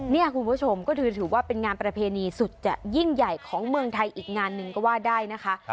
นี่คุณผู้ชมก็ถือว่าเป็นงานประเพณีสุดจะยิ่งใหญ่ของเมืองไทยอีกงานหนึ่งก็ว่าได้นะคะ